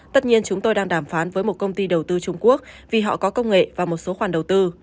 tất nhiên chúng tôi đang đàm phán với một công ty đầu tư trung quốc vì họ có công nghệ và một số khoản đầu tư